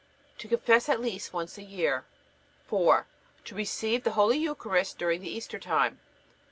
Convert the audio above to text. To confess at least once a year. 4. To receive the Holy Eucharist during the Easter time.